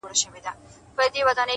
ستا د سونډو د خندا په خاليگاه كـي’